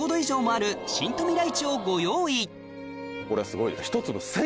これすごい。